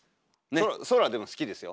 空でも好きですよ。